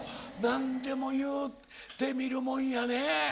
何でも言ってみるもんやね。